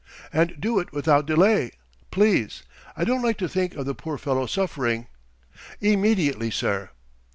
"And do it without delay, please. I don't like to think of the poor fellow suffering." "Immediately, sir."